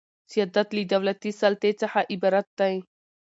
سیادت له دولتي سلطې څخه عبارت دئ.